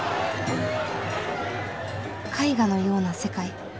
絵画のような世界。